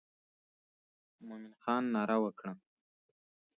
مومن خان ناره وکړه.